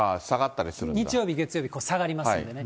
日曜日、月曜日、下がりますんでね。